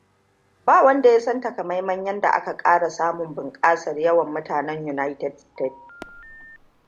Ba wanda ya san takamaiman yadda aka ƙara samun bunƙasar yawan mutanen United States.